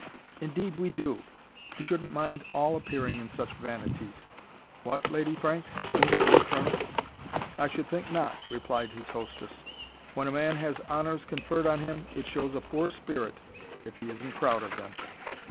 "Indeed we do! We shouldn't mind all appearing in such vanities what, Lady Franks!" boomed the Colonel. "I should think not," replied his hostess. "When a man has honours conferred on him, it shows a poor spirit if he isn't proud of them."